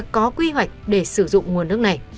có quy hoạch để sử dụng nguồn nước này